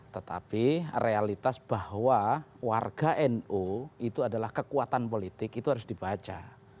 tetapi realitas bahwa warga nu itu adalah kekuatan politik itu harus dibaca